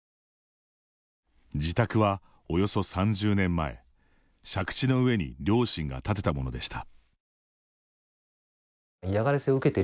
自宅は、およそ３０年前借地の上に両親が建てたものでした。